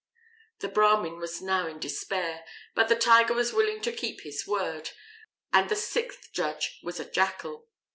The Brahmin was now in despair, but the Tiger was willing to keep his word. And the sixth judge was a Jackal.